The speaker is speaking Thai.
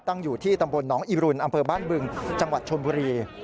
อยู่ที่ตำบลหนองอิรุณอำเภอบ้านบึงจังหวัดชนบุรี